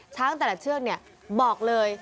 แต่ละเชือกบอกเลย